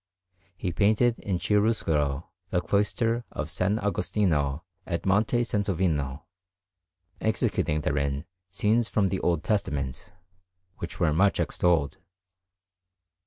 He painted in chiaroscuro the cloister of S. Agostino at Monte Sansovino, executing therein scenes from the Old Testament, which were much extolled.